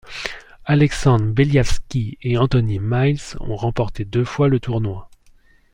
Aleksandr Beliavski et Anthony Miles ont remporté deux fois le tournoi.